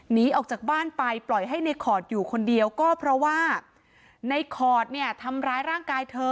หนีออกจากบ้านไปปล่อยให้ในคอร์ดอยู่คนเดียวก็เพราะว่าในคอร์ดเนี่ยทำร้ายร่างกายเธอ